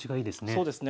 そうですね。